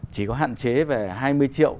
chỉ có hạn chế về hai mươi triệu